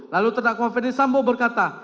lalu tdakwa ferdisambo berkata